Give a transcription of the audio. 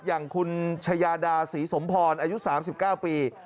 อย่างคุณชายาดาศรีสมพรอายุ๓๙ปี